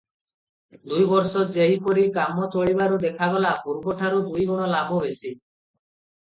ଦୁଇବର୍ଷ ଯେହିପରି କାମ ଚଳିବାରୁ ଦେଖାଗଲା, ପୂର୍ବଠାରୁ ଦୁଇଗୁଣ ଲାଭ ବେଶୀ ।